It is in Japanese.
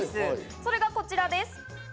それがこちらです。